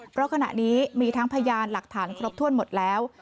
เพราะขณะนี้มีทั้งพยานหลักฐานครบถ้วนหมดแล้ว